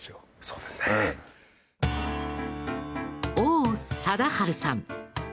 王貞治さん。